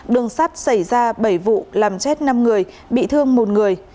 đường sắt xảy ra bảy vụ làm chết năm người bị thương một người